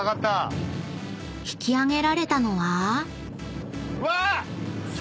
［引き揚げられたのは］